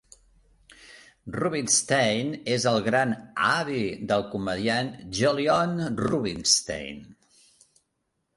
Rubinstein és el gran avi del comediant Jolyon Rubinstein.